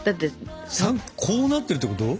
こうなってるってこと？